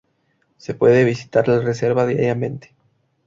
Se puede visitar la reserva diariamente.